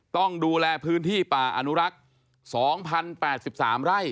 ต้องดูแลพื้นที่ป่าอนุรักษ์๒๐๘๓ไร่